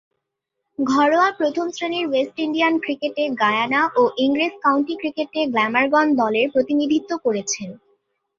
ঘরোয়া প্রথম-শ্রেণীর West Indian ক্রিকেটে গায়ানা ও ইংরেজ কাউন্টি ক্রিকেটে গ্ল্যামারগন দলের প্রতিনিধিত্ব করেছেন।